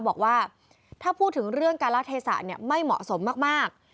บอกว่าถ้าพูดถึงเรื่องการละเทศะไม่เหมาะสมมาก